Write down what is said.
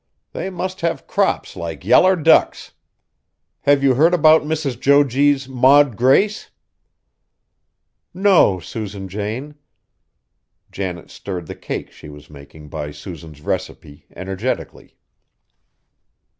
They must have crops like yaller ducks. Have you heard 'bout Mrs. Jo G.'s Maud Grace?" "No, Susan Jane." Janet stirred the cake she was making by Susan's recipe energetically.